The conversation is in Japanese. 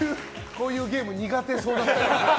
こういうゲーム苦手そうだな。